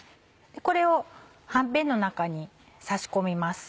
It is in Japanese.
これをはんぺんの中に差し込みます。